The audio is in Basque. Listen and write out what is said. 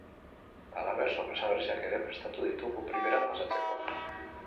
Halaber, sorpresa bereziak ere prestatu ditugu, primeran pasatzeko.